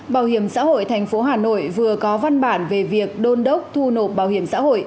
bảo hiểm xã hội thành phố hà nội vừa có văn bản về việc đôn đốc thu nộp bảo hiểm xã hội